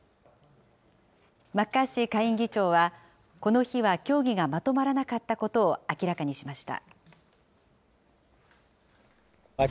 マッカーシー下院議長は、この日は協議がまとまらなかったことを明らかにしました。